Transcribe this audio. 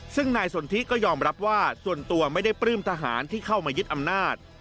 ซึ่งนายสนทิก็ยอมรับว่าส่วนตัวไม่ได้ปลื้มทหารที่เข้ามายึดอำนาจ